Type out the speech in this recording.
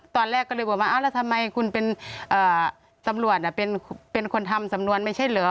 ตอนแรกก็เลยบอกว่าแล้วทำไมคุณเป็นตำรวจเป็นคนทำสำนวนไม่ใช่เหรอ